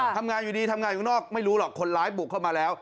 ทำงานอยู่ดีทำงานอยู่ข้างนอกไม่รู้หรอกคนร้ายบุกเข้ามาแล้ว